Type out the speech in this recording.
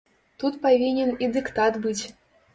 Тут павінен і дыктат быць.